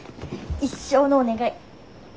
一生のお願い。